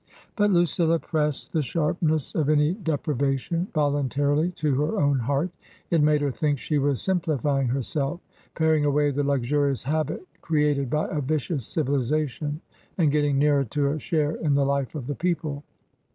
But Lucilla pressed the sharpness of any deprivation vol untarily to her own heart ; it made her think she was "simplifying" herself, paring away the luxurious habit created by a vicious civilization and getting nearer to a share in the life of the people.